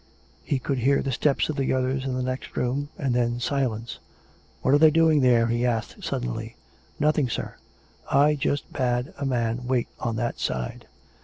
He could hear the steps of the others in the next room; and then silence. "What are they doing there.''" he asked suddenly. " Nothing, sir. ... I just bade a man wait on that side."